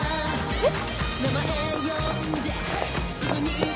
えっ？